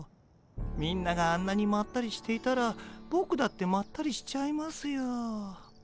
みんながあんなにまったりしていたらボクだってまったりしちゃいますよ。